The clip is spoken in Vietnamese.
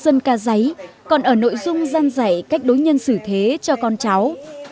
điều làm nên ý nghĩa và giá trị của các khúc hát dân ca giấy còn ở nội dung gian dạy cách đối nhân xử thế cho con cháu